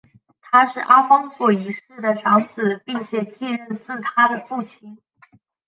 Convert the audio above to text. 他是阿方索一世的长子并且继任自他的父亲。